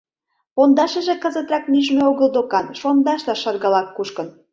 Пондашыже кызытрак нӱжмӧ огыл докан, шондашла шыргылак кушкын.